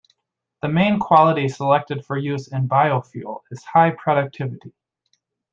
The main quality selected for use in biofuel is high productivity.